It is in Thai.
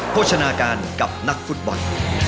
โชชนาการกับนักฟุตบอล